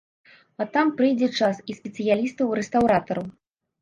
А там прыйдзе час і спецыялістаў-рэстаўратараў.